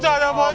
kabur pak iwan